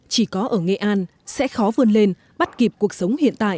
chỉ có ở nghệ an sẽ khó vươn lên bắt kịp cuộc sống hiện tại